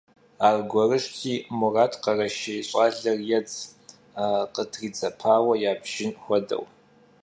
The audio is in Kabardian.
Arguerıjti, Murat khereşşêy ş'aler yêdz, khıtridzepaue yabjjın xuedeu.